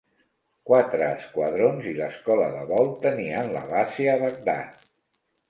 Quatre esquadrons i l'escola de vol tenien la base a Bagdad.